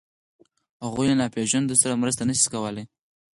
هغوی له ناپېژاندو سره مرسته نهشي کولی.